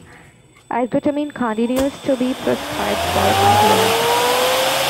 Ergotamine continues to be prescribed for migraines.